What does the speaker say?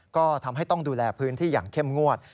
ก็ทำให้ต้องดูแลพื้นที่อย่างเข้มงวด